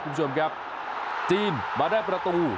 คุณผู้ชมครับจีนมาได้ประตู